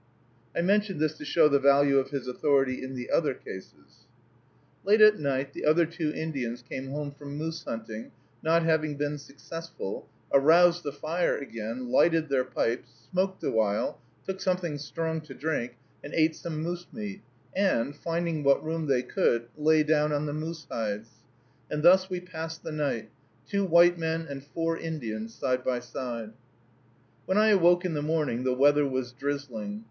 I mention this to show the value of his authority in the other cases. Late at night the other two Indians came home from moose hunting, not having been successful, aroused the fire again, lighted their pipes, smoked awhile, took something strong to drink, and ate some moose meat, and, finding what room they could, lay down on the moose hides; and thus we passed the night, two white men and four Indians, side by side. When I awoke in the morning the weather was drizzling.